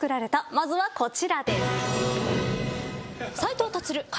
まずはこちらです。